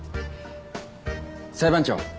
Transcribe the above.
裁判長。